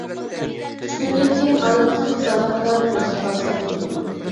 ئۈچ كۈندىن كېيىن ئادەتتىكى غىزالار بىلەن ئوزۇقلانسا بولىدۇ.